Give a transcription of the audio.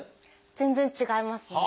全然違いますね。